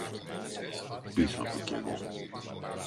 Πίσω του κι εγώ